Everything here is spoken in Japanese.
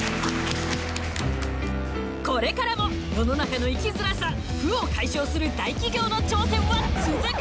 これからも世の中の生きづらさ不を解消する大企業の挑戦は続く。